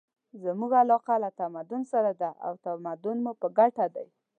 زموږ علاقه له تمدن سره ده او تمدن مو په ګټه دی.